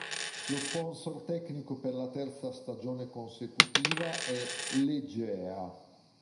Lo sponsor tecnico per la terza stagione consecutiva è "Legea".